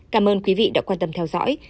cảm ơn quý vị đã quan tâm theo dõi